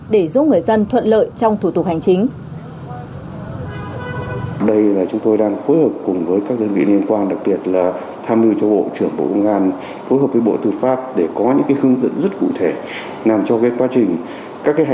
để giúp người dân thuận lợi trong thủ tục hành chính